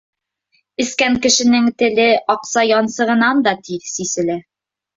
Эскән кешенең теле аҡса янсығынан да тиҙ сиселә.